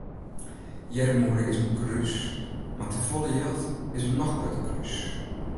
Earmoede is in krús mar te folle jild is in noch grutter krús.